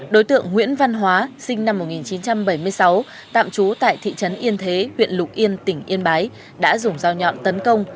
đối tượng nguyễn văn hóa sinh năm một nghìn chín trăm bảy mươi sáu tạm trú tại thị trấn yên thế huyện lục yên tỉnh yên bái đã dùng dao nhọn tấn công